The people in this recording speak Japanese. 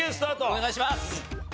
お願いします！